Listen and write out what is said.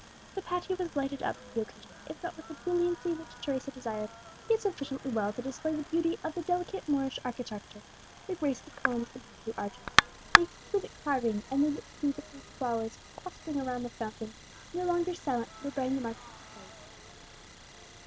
The patio was lighted up for the occasion, if not with the brilliancy which Teresa desired, yet sufficiently well to display the beauty of the delicate Moorish architecture, the graceful columns and horse shoe arches, the exquisite carving, and the rich hues of flowers clustering around the fountain, no longer silent, nor bearing the marks of decay.